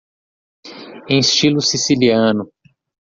Em estilo siciliano